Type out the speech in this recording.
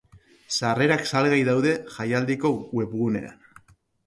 Sarrerak salgai daude jaialdiko webgunean.